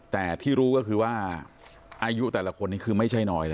แต่ที่รู้ก็คือว่าอายุแต่ละคนนี้คือไม่ใช่น้อยเลย